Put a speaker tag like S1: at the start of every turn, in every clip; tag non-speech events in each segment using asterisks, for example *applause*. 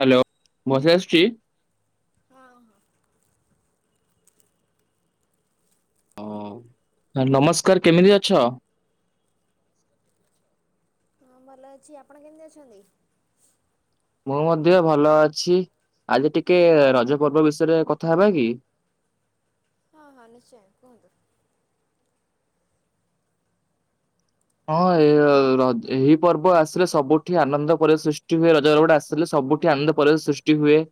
S1: Hello voice ଆସୁଛି।
S2: ହଁ ହଁ।
S1: ନମସ୍କାର କେମିତି ଅଛ?
S2: ହଁ ଭଲ ଅଛି ଆପଣ କେମିତି ଅଛନ୍ତି?
S1: ମୁଁ ମଧ୍ୟ ଭଲ ଅଛି ଆଜି ଟିକେ ରଜ ପର୍ବ ବିଷୟରେ କଥା ହେବା କି?
S2: ହଁ ହଁ ନିଶ୍ଚୟ କୁହନ୍ତୁ।
S1: ହଁ ଏ ଏହି ପର୍ବ ଆସିଲେ ସବୁଠି ଆନନ୍ଦ ପରେ ସୃଷ୍ଟି ହୁଏ ରଜ ପର୍ବଟା ଆସିଲେ ସବୁଠି ଆନନ୍ଦ ପରିବେଶ ସୃଷ୍ଟି ହୁଏ।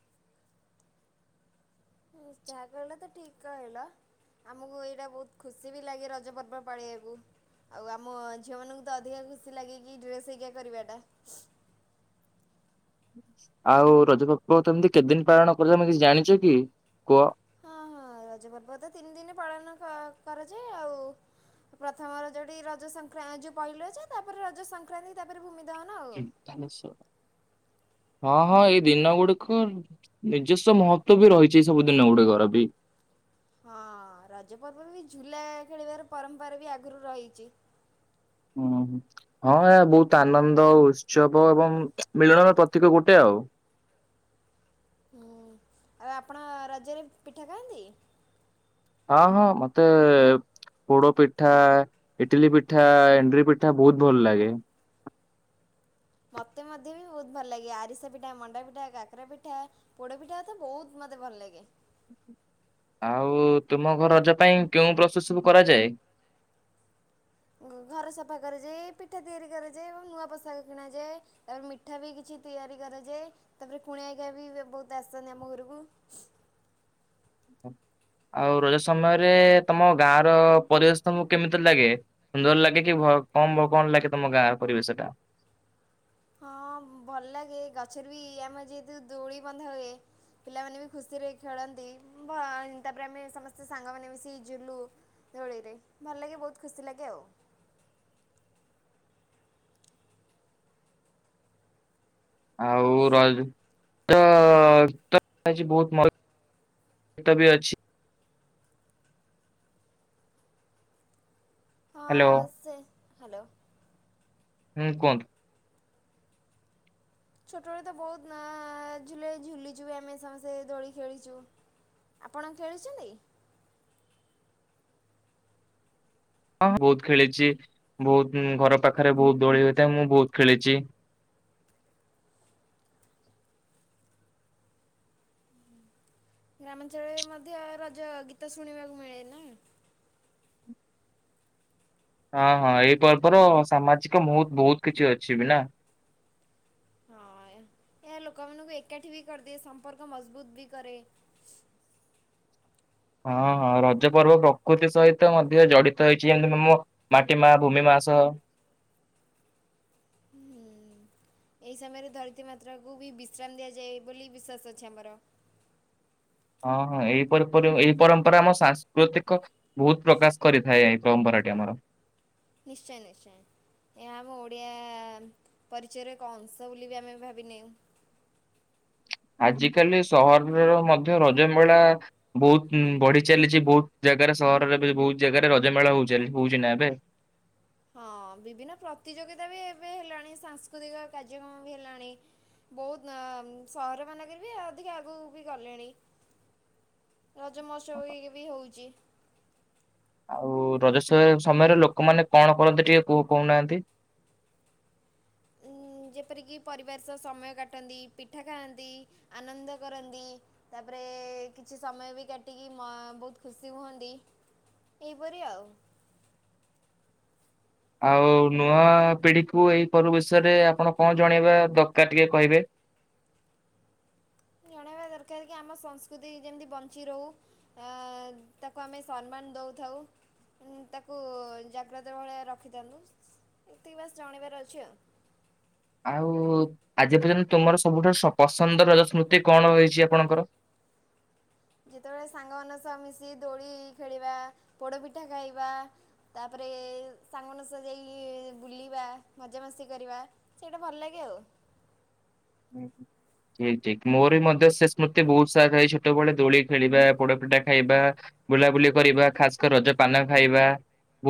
S2: ଯାହା କହିଲ ତ ଠିକ କହିଲ ଆମକୁ ଏଇଟା ବହୁତ ଖୁସି ବି ଲାଗେ ରଜ ପର୍ବ ପାଳିବାକୁ ଆଉ ଆମ ଝିଅ ମାନଙ୍କୁ ତ ଅଧିକା ଖୁସି ଲାଗେ କି ଡ୍ରେସ ହେଇା କରିବା ଟା
S1: ଆଉ ରଜପର୍ବ ତମିତି କେତେଦିନ ପାଳନ କରିଛ ତମେ କିଛି ଜାଣିଛ କି? କୁହ?
S2: ହଁ ହଁ ରଜ ପର୍ବତ ତିନି ଦିନ ପାଳନ କ- କରାଯାଏ ଆଉ। ପ୍ରଥମର ଯୋଉଠି ରଜ ସଂକ୍ରା ଯୋଉ ପହିଲ ଅଛ ତାପରେ ରଜ ସଂକ୍ରାନ୍ତି ତାପରେ ଭୂମି ଦହନ ଆଉ।
S1: *inaudible* ହଁ ହଁ ଏଇ ଦିନ ଗୁଡିକ ନିଜସ୍ୱ ମହତ୍ବ ବି ରହିଛି ଏଇ ସବୁ ଦିନ ଗୁଡିକର ବି
S2: ହଁ ରଜ ପର୍ବ ବି ଝୁଲା ଖେଳିବାର ପରମ୍ପରା ବି ଆଗରୁ ରହିଛି।
S1: ହୁଁ ହଁ ଏହା ବହୁତ ଆନନ୍ଦ ଉତ୍ସବ ଏବଂ ମିଳନର ପ୍ରତୀକ ଗୋଟେ ଆଉ। ହଉ।
S2: ହୁଁ ଆଉ ଆପଣ ରଜରେ ପିଠା ଖାଆନ୍ତି?
S1: ହଁ ହଁ ମତେ ପୋଡପିଠା ଇଟିଲିପିଠା ଏଣ୍ଡୁରିପିଠା ବହୁତ ଭଲଲାଗେ।
S2: ମତେ ମଧ୍ୟ ବି ବହୁତ ଭଲ ଲାଗେ ଆରିସା ପିଠା ମଣ୍ଡାପିଠା କାକରାପିଠା ପୋଡପିଠା ତ ବହୁତ ମତେ ଭଲ ଭ ଲାଗେ।
S1: ଆଉ ତୁମ ଘର ରଜ ପାଇଁ କେଉ ପ୍ରୋସେସ ସବୁ କରାଯାଏ।
S2: ଘର ସଫା କରାଯାଏ ପିଠା ତିଆରି କରାଯାଏ ଏବଂ ନୂଆ ପୋଷାକ କିଣାଯାଏ ତାପରେ ମିଠା ବି କିଛି ତିଆରି କରାଯ ତାପରେ କୁଣିଆ ଘରିଆ ବି ବହୁତ ଆସିନ୍ତି ଆମ ଘରକୁ
S1: ହଁ। ଆଉ ରଜ ସମୟରେ ତମ ଗାଁ ର ପରିବେଶ ତମକୁ କେମିତି ଲାଗେ ସୁନ୍ଦର ଲାଗେ କି ଭ କମ ବ କଣ ଲାଗେ ତମ ଗାଁର ପରିବେଶ ଟା।
S2: ହଁ ଭଲ ଲାଗେ ଗଛରେ ବି ଆମେ ଯେହେତୁ ଦୋଳି ବନ୍ଧା ହୁଏ ପିଲାମାନେ ବି ଖୁସିରେ ଖେଳନ୍ତି ତାପରେ ସମସ୍ତେ ସାଙ୍ଗ ମାନେ ମିସିକି ଝୁଲୁ। ଦୋଳିରେ ଭଲ ଲାଗେ ବହୁତ ଖୁସି ଲାଗେ ଆଉ।
S1: *inaudible* ଆଉ ର ତ ବହୁତ ମ ଏତ ବି ଅଛି ହ୍ୟାଲୋ।
S2: ହଁ ସେ ହ୍ୟାଲୋ।
S1: ହୁ କନ୍
S2: ଛୋଟବେଳେ ତ ବହୁତ ଝୁ ଝୁଲିଛୁ ଆମେ ସମସ୍ତେ ଦୋଳି ଖେଳିଛୁ। ଆପଣ ଖେଳିୁଛନ୍ତି
S1: ଆ ହଁ ବହୁତ ଖେଳିଛି ବହୁତ ଘର ପାଖରେ ବହୁତ ଦୋଳି ହୋଇଥାଏ ମୁଁ ବହୁତ ଖେଳିଛି।
S2: ଗ୍ରାମଞ୍ଚଳ ମ ରାଜ ଗୀତା ଶଣିବାକୁ ମିଳେ ନା
S1: ହଁ ହଁ ଏଇ ପର୍ବର ସାମାଜିକ ମୁତ୍ ବହୁତ କିଛି ଅଛି ବି ନା *inaudible*
S2: ଏ ଲୋକ ମାନୁ ଏକାଠି ବି କରଦ ସମ୍ପର୍କ ମଜବୁତ ବି କରେ
S1: ହଁ ହଁ ରଜ ପର୍ବ ପ୍ରକୃତି ସହିତ ମଧ୍ୟ ଜଡିତ ହେଇଛି ଯେମତି ମମ ମାଟି ମା ଭୂମି ମା ଆସ
S2: ହୁଁ। ଏହି ସମୟରେ ଧରିତ୍ରୀ ମାତ୍ରାଙ୍କୁ ବି ବିଶ୍ରାମ ଦିଆଯାଏ ବୋଲି ବିଶ୍ୱାସ ଅଛି ଆମର
S1: *inaudible* ହଁ ହଁ ଏଇ ଏଇ ପରମ୍ପରା ଆମ ସାଂସ୍କୃତିକ ବହୁତ ପ୍ରକାଶ କରିଥାଏ ଏଇ ପରମ୍ପରାଟା ମର।
S2: ନିଶ୍ଚୟ ନିଶ୍ଚୟ ଏହା ଆମ ଓଡିଆ ପରିଚୟରେ କଂସ ବୋଲି ବି ଆମେ ଭାବିନେ
S1: *inaudible* ଆଜି କାଲି ସହରର ମଧ୍ୟ ରଜମେଳା ବହୁତ ବଢି ଚାଲିଛି ବହୁତ ଜାଗାରେ ସହରରେ ବହୁତ ଜାଗାରେ ରଜମେଳା ହଉ ହଉଛି ନା ଏବେ
S2: ହଁ ବିଭିନ୍ନ ପ୍ରତିଯୋଗିତା ବି ଏବେ ହେଲାଣି ସାଂସ୍କୃତିକ କାର୍ଯ୍ୟକ୍ରମ ବି ହେଲାଣି ବହୁତ ସହର ମାନଙ୍କରେ ବି ଅଧିକ ଆଗକୁ ବି ଗଲେଣି
S1: *inaudible*
S2: ରଜମସୀ ବି ହେଉଛି
S1: ଆଉ ରଜ ସମୟରେ ଲୋକମାନେ କଣ କରନ୍ତି ଟିକେ କୋଉ କହୁନାହାନ୍ତି।
S2: ଯେପରିକି ପରିବାର ସହ ସମୟ କାଟନ୍ତି ପିଠା ଖାଆନ୍ତି ଆନନ୍ଦ କରନ୍ତି ତାପରେ କିଛି ସମୟ ବି କାଟିକି ମା ବହୁତ ଖୁସି ହୁଅନ୍ତି ଏଇପରି ଆଉ
S1: *inaudible* ଆଉ ନୂଆ ପିଢିକୁୁ ଏଇପର୍ ବିଷୟରେ ଆପଣ କଣ ଜଣେଇବା ଦରକାର ଟିକେ କହିବେ *inaudible*
S2: ଜଣେଇବା ଦରକାର କି ଆମ ସଂସ୍କୃତି ଯେମିତି ବଞ୍ଚି ରହୁ ତାକୁ ଆମେ ସମ୍ମାନ ଦଉଥାଉ ତାକୁ ଜାଗ୍ରତ ଭଳିଆ ରଖିଥାନ୍ତୁ ଏତିକ ବାସ ଜାଣିବାର ଅଛି ଆଉ
S1: ଆଉ ଆଜି ପର୍ଯ୍ୟନ୍ତ ତୁମର ସବୁଠାରୁ ପସନ୍ଦ ରଜ ସ୍ମୃତି କଣ ରଇଛି ଆପଣଙ୍କର। *inaudible*
S2: ଯେତେବେଳେ ସାଙ୍ଗ ମାନ ସହ ମିଶି ଦୋଳି ଖେଳିବା ପୋଡ ପିଠା ଖାଇବା ତାପରେ ସାଙ୍ଗମାନସ ଯାଇକି ବୁଲିବା ମଜାାମସ୍ କରିବା ସେଇଟା ଭଲ ଲାଗେ ଆଉ।
S1: ହୁଁ ହୁଁ। ଠିକ ଠିକ ମୋର ବି ମଧ୍ୟ ସେ ସ୍ମୃତି ବହୁତ ସାଥ ଥାଏ ଛୋଟବେେଳେ ଦୋଳି ଖେଳିବା ପୋଡପିଠା ଖାଇବା ବୁଲାବୁଲି କରିବା ଖାସ୍କ ରଜ ପାନ ଖାଇବା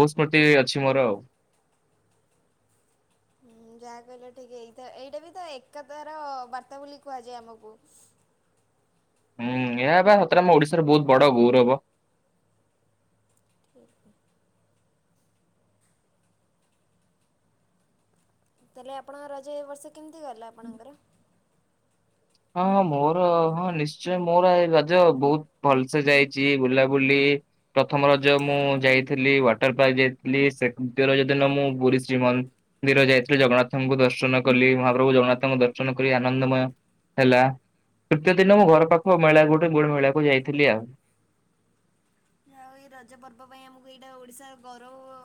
S1: ବହୁତ ସ୍ମୃତି ଅଛି ମୋର ଆଉ। *inaudible*
S2: ଯାହା କହିଲ ଠିକ ଏଇ ଏଇଟା ବି ତ ଏକାତାର ବାର୍ତ୍ତା ବୋଲି କୁହାଯାଏ ଆମକୁ।
S1: *inaudible* ହୁଁ ଏହା ବା ସତରେ ଆମ ଓଡିଶାର ବହୁତ ବଡ ଗୌରବ।
S2: ଠିକ୍। ତାହେଲେ ଆପଣଙ୍କ ରଜ ଏ ବର୍ଷ କେମିତି ଗଲା ଆପଣଙ୍କର?
S1: ହଁ ହଁ ମୋର ହଁ ନିଶ୍ଚୟ ମୋର ଏ ରଜ ବହୁତ ଭଲସେ ଯାଇଛି ବୁଲାବୁଲି ଇ ପ୍ରଥମ ରଜ ମୁଁ ଯାଇଥିଲି ୱାଟର ପାର୍କ ଯାଇଥିଲି, ସେ ଦ୍ୱିତୀୟ ରଜ ଦିନ ମୁଁ ପୁରୀ ଶ୍ରୀ ମନ୍ଦ ମନ୍ଦିର ଯାଇଥିଲି। ଜଗନ୍ନାଥଙ୍କୁ ଦର୍ଶନ କଲି। ମହାପ୍ରଭୁ ଜଗନ୍ନାଥଙ୍କୁ ଦର୍ଶନ କରି ଆନନ୍ଦମୟ ହେଲା। ତୃତୀୟ ଦିନ ମୁଁ ଘର ପାଖ ମେଳା ଗୁଟେ ଗୁଡ ମେଳାକୁ ଯାଇଥିଲି ଆଉ।
S2: ଆଉ ଏଇ ରଜ ପର୍ବ ପାଇଁ ଆମକୁ ଏଇଟା ଓଡିଶାର ଗୌରବ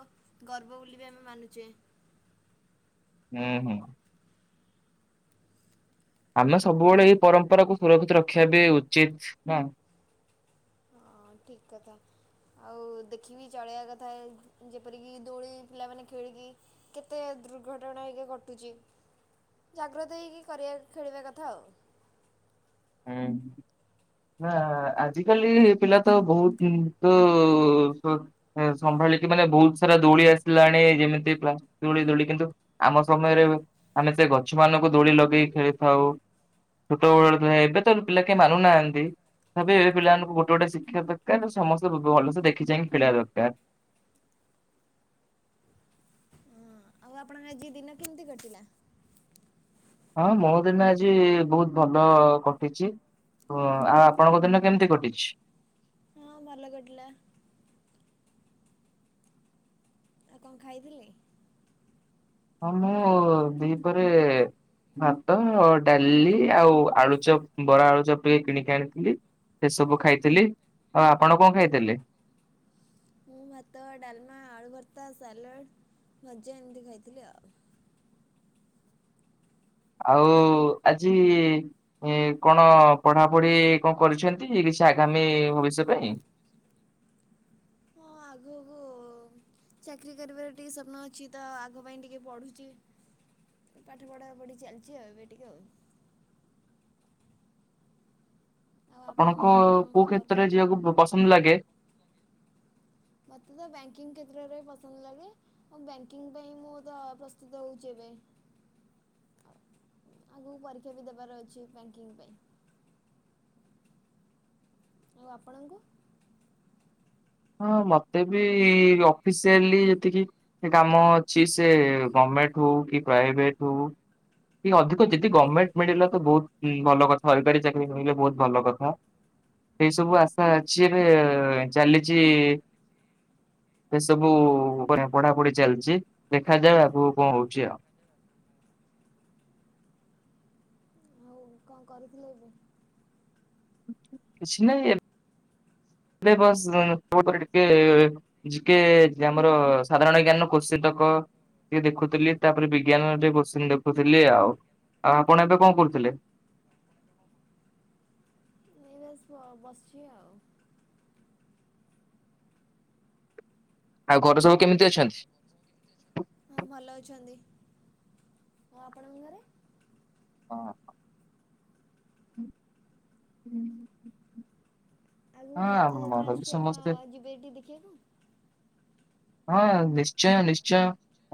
S2: ଗର୍ବ ବୋଲି ବି ଆମେ ମାନୁଚେ।
S1: ହୁଁ ହୁଁ। ଆମେ ସବୁବେଳେ ଏଇ ପରମ୍ପରାକୁୁ ସୁରକ୍ଷିତ ରଖିବା ବି ଉଚିତ୍ ନା?
S2: ହଁ ଠିକ୍ କଥା। ଆଉ ଦେଖିବି ଚଳେଇଆ କଥା ଏ ଯେପରିକି ଦୋଳି ପିଲାମାନେ ଖେଳିକି କେତେ ଦୁର୍ଘଟଣା ଏଇକା ଘଟୁଚି। ଜାଗ୍ରତ ହେଇକି କରିଆ ଖେଳିବା କଥା ଆଉ।
S1: ହୁଁ। ନା ଆଜିକାଲି ପିଲା ତ ବହୁତ ତୁ ସମ୍ ଭାଳିକି ମାନେ ବହୁତ ସାରା ଦୋଳି ଆସିଲାଣି ଯେମିତି *unintelligible* ଦୋଳି ଦୋଳି କିନ୍ତୁ ଆମ ସମୟରେ ଆମେ ସେ ଗଛମାନଙ୍କୁ ଦୋଳି ଲଗେଇ ଖେଳିଥାଉ। ଛୋଟବେଳେ ଏବେ ତ ପିଲା କେ ମାନୁନାହାନ୍ତି ତେବେ ଏବେ ପିଲାମାନଙ୍କୁ ଗୋଟେ ଗୋଟେ ଶିଖିଆ ଦରକାର। ସମସ୍ତେ ଭଲସେ ଦେଖି ଚାହିଁକି ଖେଳିଆ ଦରକାର।
S2: ହଁ ଆଉ ଆପଣଙ୍କ ଆଜି ଦିନ କେମିତି କଟିଲା?
S1: ହଁ ମୋ ଦିନ ଆଜି ବହୁତ ଭଲ କଟିଚି। ଓ ଆଉ ଆପଣଙ୍କ ଦିନ କେମିତି କଟିଛି?
S2: ହଁ ଭଲ କଟିଲା। ଆଉ କଣ ଖାଇଥିଲେ?
S1: ହଁ ମୁଁ ଦିପହରେ ଭାତ, ଡାଲି ଆଉ ଆଳୁଚପ, ବରା, ଆଳୁଚପ ଟିକେ କିଣିକି ଆଣିଥିଲି ସେ ସବୁ ଖାଇଥିଲି। ଆଉ ଆପଣ କଣ ଖାଇଥିଲେ?
S2: ମୁଁ ଭାତ, ଡାଲମା, ଆଳୁ ଭର୍ତ୍ତା, ସାଲଡ଼ ଭଜା ଏମିତି ଖାଇଥିଲି ଆଉ।
S1: ଆଉ ଆଜି ଇଁ କଣ ପଢାପଢି କଣ କରିଛନ୍ତି କି ଛି ଆଗାମୀ ଭବିଷ୍ୟ ପାଇଁ?
S2: ଚାକିରୀ କରିବାର ଟିକେ ସ୍ୱପ୍ନ ଅଛି ତ ଆଗ ପାଇଁ ଟିକେ ପଢୁଚି। ପାଠ ପଢାପଢି ଚାଲିଚି ଆଉ ଏବେ ଟିକେ ଆଉ। ଆଉ
S1: ଆପଣଙ୍କ
S2: ଆପଣଙ୍କର କଣ
S1: କୋଉ
S2: ଖବର କଣ?
S1: କ୍ଷେତ୍ରରେ ଯିବାକୁ ପସନ୍ଦ ଲାଗେ?
S2: ମତେ ତ ବ୍ୟାଙ୍କିଙ୍ଗ କ୍ଷେତ୍ରରେ ପସନ୍ଦ ଲାଗେ ଆଉ ବ୍ୟାଙ୍କିଙ୍ଗ ପାଇଁ ମୁଁ ତ ପ୍ରସ୍ତୁତ ହଉଚି ଏ ବେ। ଅ ଆଗୁକୁ ପରୀକ୍ଷା ବି ଦେବାର ଅଛି ବ୍ୟାକିଙ୍ଗ୍ ପାଇଁ। ଆଉ ଆପଣଙ୍କୁ?
S1: ହଁ ମତେ ବି ଅଫିସିଆଲି ଯେତିକି କାମ ଅଛି ସେ ଗମ୍ ମେଣ୍ଟ ହଉ କି ପ୍ରାଇଭେଟ ହଉ କି ଅଧିକ ଯିଦି ଗମେଣ୍ଟ ମିଳିଲା ତ ବହୁତ ଭଲ କଥା ସରକାରୀ ଚାକିରୀ ମିଳିଲେ ବହୁତ ଭଲ କଥା। ଏଇ ସବୁ ଆଶା ଅଛି, ଏବେ-ଏ ଚାଲିଚି ସେ ସବୁ ପଢାପଢି ଚାଲିଚି। ଦେଖାଯାଉ ଆଗକୁ କଣ ହଉଛି ଆଉ?
S2: ଆଉ କଣ କରୁଥିଲେ ଏବେ?
S1: କିଛି ନାହିଁ ଏମ୍ ଏବେ ବସ୍ *unintelligible* ଜି କେ ଆମର ସାଧାରଣ ଜ୍ଞାନ କୋଷିତ ହଁ ଟିକେ ଦେଖୁଥିଲି, ତାପରେ ବିଜ୍ଞାନ ଟିକେ କୋଶ୍ଚିିନ ଦେଖୁଥିଲି ଆଉ। ଆଉ ଆପଣ ଏବେ କଣ କରୁଥିଲେ?
S2: ଏଇ ବାସ୍ ବସିଛି ଆଉ।
S1: ଆଉ ଘରେ ସବୁ କେମିତି ଅଛନ୍ତି?
S2: ହଁ ଭଲ ଅଛନ୍ତି। ଆଉ ଆପଣଙ୍କ ଘରେ?
S1: ହଁ। ହୁଁ - ହୁଁ ହୁଁ ହୁଁ।
S2: ଆଉ ରଥଯାତ୍ରା ଆସୁଛି। ଆପଣ ଯିବେ ଟି ଦେଖିବା
S1: ହଁ ନିଶ୍ଚୟ ନିଶ୍ଚୟ।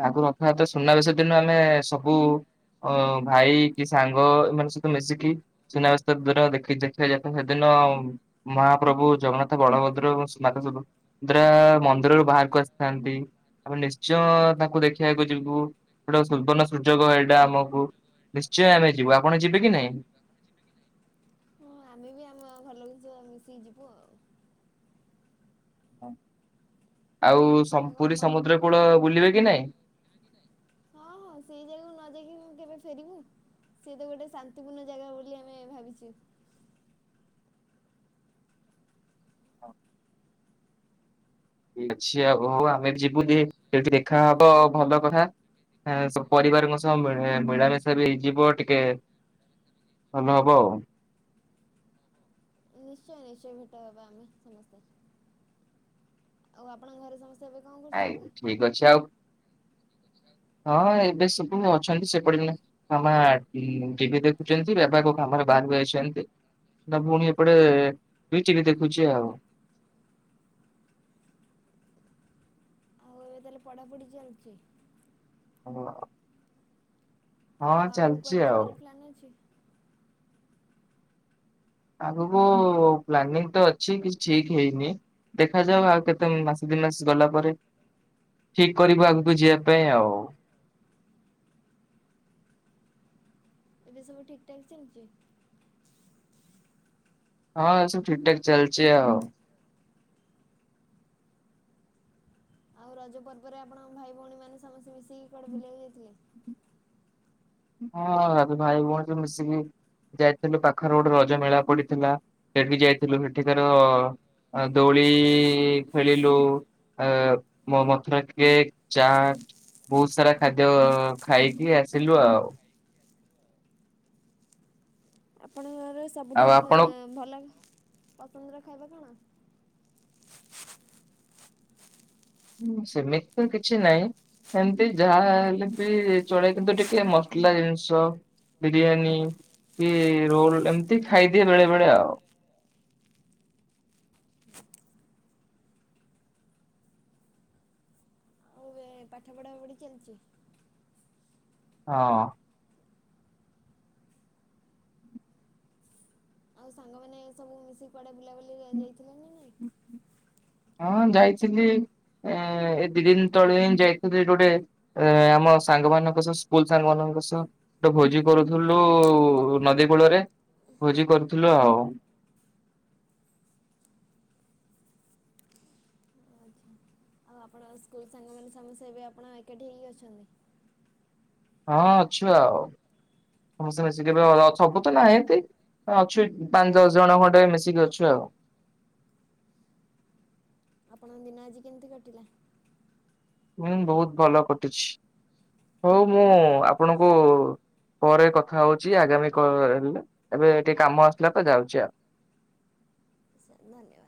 S1: ଆଗରୁ ରଥଯାତ୍ରା ସୁନାବେଶ ଦିନ ଆମେ ଏ ସବୁ ଅ ଭାଇ କି, ସାଙ୍ଗ ଏମାନଙ୍କ ସହିତ ମିଶିକି ସୁନାବେଶ ଦୂର ଦେଖି ଦେଖିବାକୁ ଯାଇଥାନ୍ତୁ। ହେ ଦିନ ହଁ, ମହାପ୍ରଭୁ ଜଗନ୍ନାଥ, ବଳଭଦ୍ର ଏବଂ ମାତା ସୁଭଦ୍ରା ମନ୍ଦିରରୁ ବାହାରକୁ ଆସ୍ ଥାନ୍ତି। ଆମେ ନିଶ୍ଚୟଁ-ଅ ତାଙ୍କୁ ଦେଖିବାକୁ ଯିବୁ। ସେଟା ସୁବର୍ଣ୍ଣ ସୁଯୋଗ ଏଇଟା ଆମକୁ। ନିଶ୍ଚୟ ଆମେ ଯିବୁ। ଆପଣ ଯିବେ କି ନାଇଁ?
S2: ହଁ ଆମେ ବି ଆମ ଘରଲୋକଙ୍କ ସହ ମିଶିକି ଯିବୁ ଆଉ।
S1: ଆଉ ସ
S2: ତାଙ୍କୁ
S1: ପୁରୀ
S2: ଆପଣ
S1: ସମୁଦ୍ର କୂଳ ବୁଲିବେ କି ନାଇଁ?
S2: ହଁ ହଁ ସେଇ ଯାଗାକୁ ନ ଯାଇକି ମୁଁ କେବେ ଫେରିବି। ସେ ତ ଗୋଟେ ଶାନ୍ତିପୂର୍ଣ୍ଣ ଯାଗା ବୋଲି ଆମେ ଭାବିଛୁ।
S1: ହଉ ଠିକ୍ ଅଛି ଆଉ ହଉ ଆମେ ଯିବୁ। ଯେ ହେଠି ଦେଖାହବ ଭଲ କଥା ସ ପରିବାରଙ୍କ ସହ ମିଳାମିଶା ବି ହେଇଯିବ ଟିକେ ଭଲ ହବ ଆଉ।
S2: ନିଶ୍ଚୟ ନିଶ୍ଚୟ ଭେଟ ହବା ଆମେ ସମସ୍ତେ। ଆଉ ଆପଣଙ୍କ ଘରେ ସମସ୍ତେ ଏବେ କଣ
S1: ଆଜ୍ଞା,
S2: କରୁଛନ୍ତି?
S1: ଠିକ୍ ଅଛି ଆଉ। ହଁ ଏ ଏବେ ସବୁ ଅଛନ୍ତି। ସେପଟେ ମାମା ଟିଭି ଦେଖୁଛନ୍ତି। ବବା କୋଉ କାମରେ ବାହାରକୁ ଯାଇଛନ୍ତି ନା ପୁଣି ଏପଡେ ଲୁଇଚିଲି ଦେଖୁଛି ଆଉ। *unintelligible*
S2: ଆଉ ଏବେ ତାହେଲେ ପଢାପଢି ଚାଲଛି?
S1: ହଁ।
S2: ଆଉ ଆଗକୁ
S1: ଚାଲିଛି
S2: କୁଆଡେ
S1: ଆଉ
S2: ଯିବାର ପ୍ଲାନ୍ ଅଛି?
S1: ଆଗକୁ ପ୍ଲାନିଂ ତ ଅଛି, କିଛି ଠିକ୍ ହେଇନି ଦେଖାଯାଉ। ଆଉ କେତେ ମାସେ ଦି ମାସ ଗଲା ପରେ ଠିକ୍ କରିବୁ ଆଗକୁ ଯିବା ପାଇଁ ଆଉ।
S2: ଏବେ ସବୁ ଠିକ୍ ଠାକ୍ ଚାଲିଚି?
S1: ହଁ ସବୁ ଠିକ୍ ଠାକ୍ ଚାଲଚି ଆଉ।
S2: ଆଉ ରଜ ପର୍ବରେ ଆପଣଙ୍କ ଭାଇ ଭଉଣୀ ମାନେ ସମସ୍ତେ ମିଶିକି କୁଆଡେ ବୁଲିବାକୁ ଯାଇଥିଲେ?
S1: ହଁ, ରଜରେ ଭାଇ ଭଉଣୀ ସବୁ ମିଶିକି ଯାଇଥିଲୁ, ପାଖରେ ଗୋଟେ ରଜମେଳା ପଡିଥିଲା। ସେଇଠ୍ ବି ଯାଇଥିଲୁ। ହେଠିତାର ଦୋଳି-ଇ ଖେଳିଲୁ। ଆ ମୋ ମଥୁରା କେକ୍, ଚାଟ୍ ବହୁତ ସାରା ଖାଦ୍ୟ ଅ ଖାଇକି ଆସିଲୁ ଆଉ।
S2: ର
S1: ଆଉ
S2: ସବୁଠାରୁ
S1: ଆପଣ
S2: ଏଁ ଭଲ ପସନ୍ଦର ଖାଇବା କଣ?
S1: ହଁ ସେମିତି ତ କିଛି ନାହିଁ। ଏମିତି ଯାହା ହେଲେ ବି ଚଳେଇ କିନ୍ତୁ, ଟିକେ ମସଲା ଜିନିଷ ବିରିୟାନୀ କି ରୋଲ ଏମିତି ଖାଇଦିଏ ବେଳେ ବେଳେ ଆଉ। *unintelligible*
S2: ଆଉ ଏ ପାଠ ପଢା ପଢି ଚାଲିଛି?
S1: ହଁ
S2: ଆଉ ସାଙ୍ଗମାନେ ସବୁ ମିଶିକି କୁଆଡେ ବୁଲା ବୁଲି ଯାଇଥିଲ ନା ନାଇଁ?
S1: ହଁ ଯାଇଥିଲି ଏ ଏ ଦି ଦିନି ତଳେ ହିଁ ଯାଇଥିଲି ଏଇଠି ଗୋଟେ ଅ ଆମ ସାଙ୍ଗମାନାନଙ୍କ ସହ ସ୍କୁଲ ସାଙ୍ଗ ମାନଙ୍କ ଗୋଟେ ଭୋଜି କରୁଥିଲୁ ନଦୀ କୂଳରେ। ଭୋଜି କରୁଥିଲୁ ଆଉ।
S2: ଆଚ୍ଛା। ଆଉ ଆପଣ ସ୍କୁଲ ସାଙ୍ଗମାନୋନ ସମସ୍ତେ ଏବେ ଆପଣ ଏକାଠି ହେଇକି ଅଛନ୍ତି।
S1: ହଁ ଅଛ ଆଉ ସମସ୍ତେ ମିଶିକି ଏବେ ସବୁ ତ ନାହାନ୍ତି। ଅଛୁ ପାଞ୍ଚ ଦଶ ଜଣ ଖଣ୍ଡେ ମିଶିକି ଅଛୁ ଆଉ। *inaudible*
S2: ଆପଣଙ୍କ ଦିନ ଆଜି କେମିତି କଟିଲା।
S1: ହୁଁ ବହୁତ ଭଲ କଟିଛି ହଉ ମୁଁ ଆପଣଙ୍କୁ ପରେ କଥା ହଉଛି ଆଗାମୀ କ ହେଲେ ଏବେ ଟିକେ କାମ ଆସିଲା ତ ଯାଉଛି ଆଉ। *inaudible*
S2: ସାର୍ ଧନ୍ୟବାଦ।